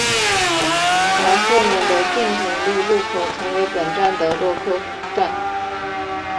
而后面的骏景路路口曾为本站的落客站。